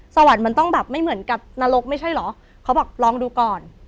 สวรรค์มันต้องแบบไม่เหมือนกับนรกไม่ใช่เหรอเขาบอกลองดูก่อน